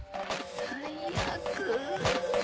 最悪。